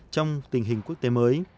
trong tình hình quốc tế mới